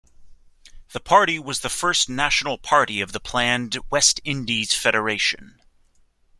The party was the first national party of the planned West Indies Federation.